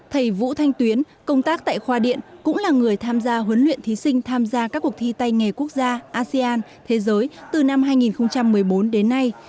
thầy vũ thanh tuyến công tác tại khoa điện cũng là người tham gia huấn luyện thí sinh tham gia các cuộc thi tay nghề quốc gia asean thế giới từ năm hai nghìn một mươi bốn đến nay